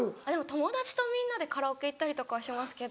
友達とみんなでカラオケ行ったりとかしますけど。